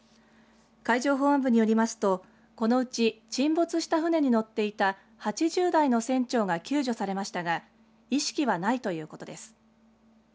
海上保安部によりますとこのうち沈没した船に乗っていた８０代の船長が救助されましたが意識はないということです。